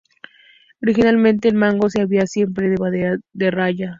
Originariamente el mango se hacía siempre de madera de haya.